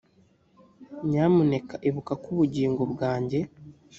nyamuneka ibuka ko ubugingo bwanjye